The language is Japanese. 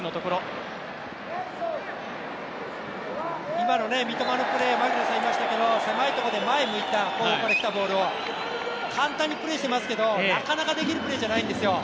今の三笘のプレー狭いところで前向いた、向こうからきたボールを簡単にプレーしてましたけどなかなかできるプレーじゃないんですよ。